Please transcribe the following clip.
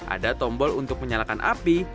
ada tombol untuk menyalakan api